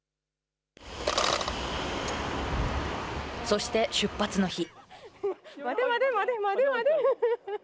そして出発の日。